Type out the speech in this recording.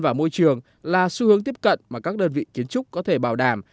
và môi trường là xu hướng tiếp cận mà các đơn vị kiến trúc có thể bảo đảm